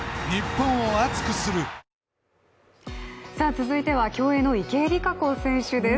続いては競泳の池江璃花子選手です。